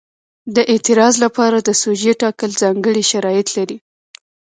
د اعتراض لپاره د سوژې ټاکل ځانګړي شرایط لري.